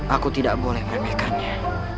aku tidak boleh meremehkannya